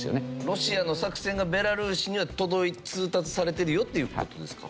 ロシアの作戦がベラルーシには通達されてるよっていう事ですか？